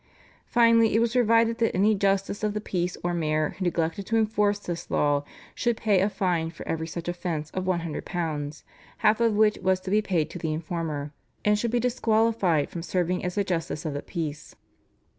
Finally, it was provided that any justice of the peace or mayor who neglected to enforce this law should pay a fine for every such offence of £100, half of which was to be paid to the informer, and should be disqualified for serving as a justice of the peace.